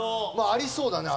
ありそうだね